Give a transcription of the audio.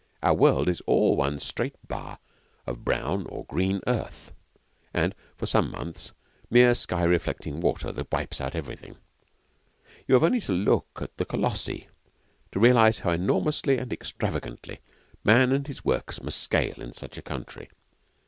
Our world is all one straight bar of brown or green earth, and, for some months, mere sky reflecting water that wipes out everything You have only to look at the Colossi to realise how enormously and extravagantly man and his works must scale in such a country.